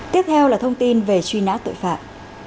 tiếp theo là thông tin về truy nã tội phạm